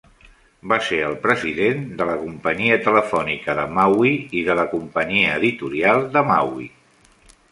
Va ser el president de la companyia telefònica de Maui i de la companyia editorial de Maui.